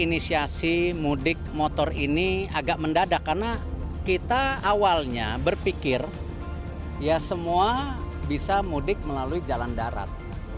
inisiasi mudik motor ini agak mendadak karena kita awalnya berpikir ya semua bisa mudik melalui jalan darat